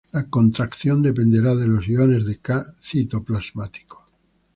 La contracción dependerá de los iones de Ca citoplasmático.